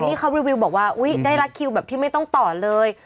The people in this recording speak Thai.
นี่เขารีวิวบอกว่าอุ๊ยได้รักคิวแบบที่ไม่ต้องต่อเลย